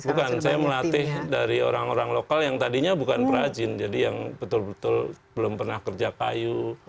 bukan saya melatih dari orang orang lokal yang tadinya bukan perajin jadi yang betul betul belum pernah kerja kayu